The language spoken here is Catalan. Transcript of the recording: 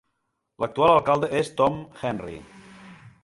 L'actual alcalde és Tom Henry.